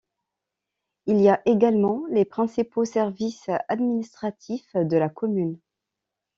Il y a également les principaux services administratifs de la commune.